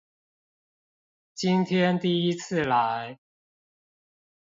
今天第一次來